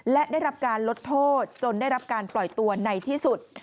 และได้รับการลดโทษจนได้รับการปล่อยตัวในที่สุด